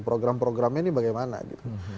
program programnya ini bagaimana gitu